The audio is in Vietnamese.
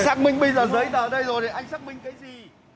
xác minh bây giờ giấy tờ ở đây rồi anh xác minh cái gì